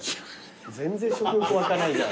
全然食欲湧かないじゃん。